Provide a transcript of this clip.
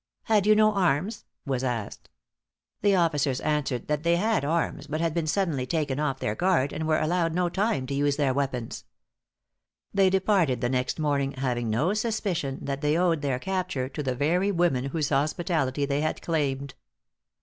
"Had you no arms?" was asked. The officers answered that they had arms, but had been suddenly taken off their guard, and were allowed no time to use their weapons. They departed the next morning, having no suspicion that they owed their capture to the very women whose hospitality they had claimed.